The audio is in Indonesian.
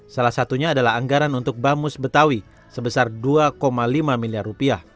salah satunya adalah anggaran untuk bamus betawi sebesar rp dua lima miliar